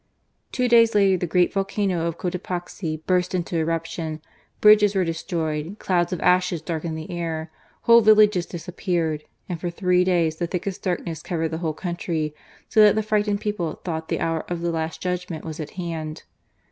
Two days later, the great volcano of Cotopaxi burst into eruption, bridges were destroyed, clouds of ashes darkened the air, whole villages disappeared, and for three days the thickest darkness covered the whole country, so that the frightened people thought the hour of the Last Judgment was at hand.